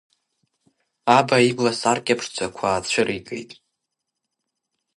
Аба ибласаркьа ԥшӡақәа аацәыригеит.